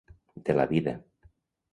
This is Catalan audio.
De la vida.